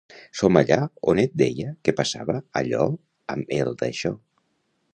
Som allà on et deia que passava allò amb el d'això.